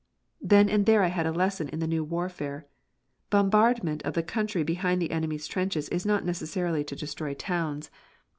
Then and there I had a lesson in the new warfare. Bombardment of the country behind the enemy's trenches is not necessarily to destroy towns.